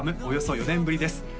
およそ４年ぶりです